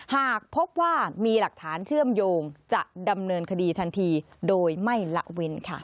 หากพบว่ามีหลักฐานเชื่อมโยงจะดำเนินคดีทันทีโดยไม่ละเว้นค่ะ